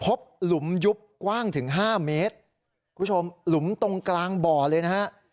หลุมยุบกว้างถึงห้าเมตรคุณผู้ชมหลุมตรงกลางบ่อเลยนะฮะ